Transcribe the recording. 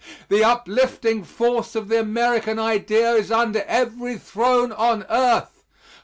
The uplifting force of the American idea is under every throne on earth.